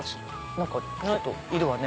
何かちょっといるわね。